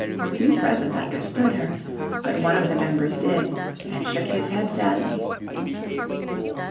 Few present understood her. But one of the members did, and shook his head sadly.